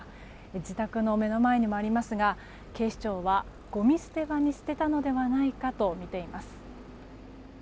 自宅の目の前にもありますが警視庁はごみ捨て場に捨てたのではないかとみています。